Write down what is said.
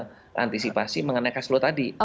jadi saya tidak mengantisipasi mengenai kas lo tadi